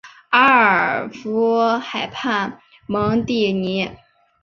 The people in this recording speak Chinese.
阿夫尔河畔蒙蒂尼。